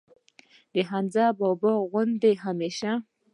او د حمزه بابا غوندي ئې هميشه